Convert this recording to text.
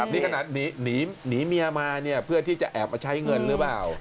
นี่ขนาดหนีเมียมาเนี่ยเพื่อที่จะแอบมาใช้เงินหรือเปล่า